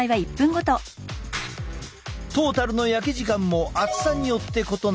トータルの焼き時間も厚さによって異なる。